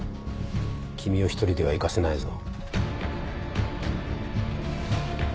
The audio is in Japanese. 君を一人では行かせないぞ。